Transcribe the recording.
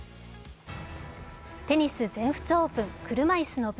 テニス、全仏オープン・車いすの部。